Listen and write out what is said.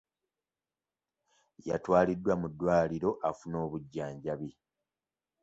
Yatwaliddwa mu ddwaliro afune obujjanjabi.